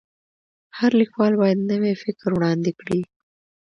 هر لیکوال باید نوی فکر وړاندي کړي.